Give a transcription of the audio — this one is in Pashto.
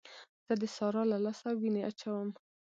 زه د سارا له لاسه وينې اچوم.